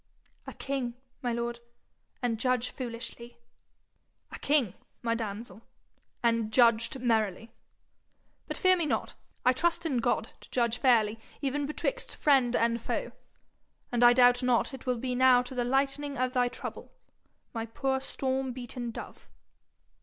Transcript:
'A king, my lord, and judge foolishly!' 'A king, my damsel, and judged merrily. But fear me not; I trust in God to judge fairly even betwixt friend and foe, and I doubt not it will be now to the lightening of thy trouble, my poor storm beaten dove.'